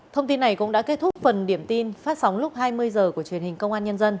thông tin này cũng đã kết thúc phần điểm tin phát sóng lúc hai h ba mươi